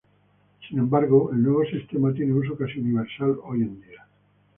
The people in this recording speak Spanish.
Sin embargo, el nuevo sistema tiene uso casi universal hoy en día.